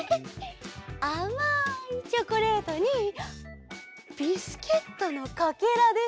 あまいチョコレートにビスケットのかけらでしょ。